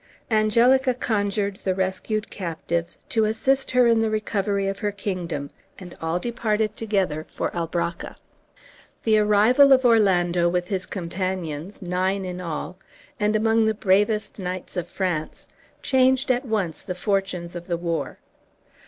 Angelica conjured the rescued captives to assist her in the recovery of her kingdom, and all departed together for Albracca. The arrival of Orlando, with his companions, nine in all, and among the bravest knights of France, changed at once the fortunes of the war.